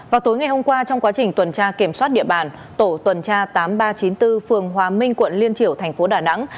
vào tối ngày hôm qua trong quá trình tuần tra kiểm soát địa bàn tổ tuần tra tám nghìn ba trăm chín mươi bốn phường hòa minh quận liên triểu thành phố đà nẵng